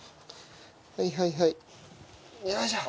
はいはいはいよいしょ。